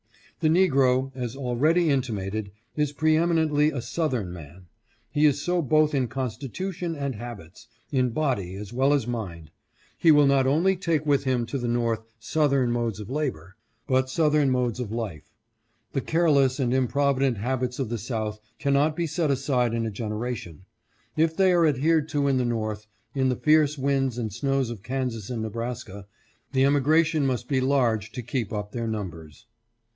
......" The Negro, as already intimated, is preeminently a Southern man. He is so both in constitution and habits, in body as well as mind. He will not only take with him to the North southern modes of labor, but southern modes of life. The careless and improvident habits of the South cannot be set aside in a generation. If they are adhered to in the North, in the fierce winds and snows of Kansas and Nebraska, the emigration must be large to keep up their numbers 532 THE RIGHT TO GO OR STAY MUST BE ASSURED.